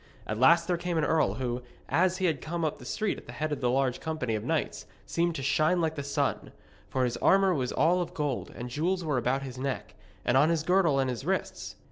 At last there came an earl who, as he came up the street at the head of a large company of knights, seemed to shine like the sun. For his armour was all of gold, and jewels were about his neck, and on his girdle and his wrists.